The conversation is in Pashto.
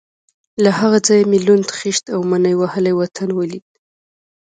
له هغه ځایه مې لوند، خېشت او مني وهلی وطن ولید.